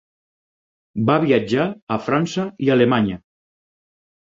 Va viatjar a França i Alemanya.